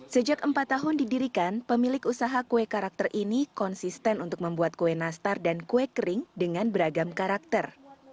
sejak empat tahun didirikan pemilik usaha kue karakter ini konsisten untuk membuat kue nastar dan kue kering dengan beragam karakter